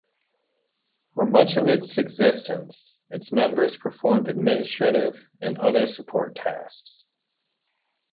For much of its existence, its members performed administrative and other support tasks.